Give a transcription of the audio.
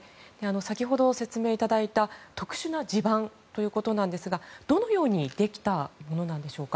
先ほど説明いただいた特殊な地盤ということですがどのようにできたものなんでしょうか。